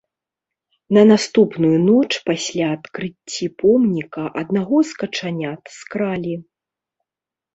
На наступную ноч пасля адкрыцці помніка аднаго з качанят скралі.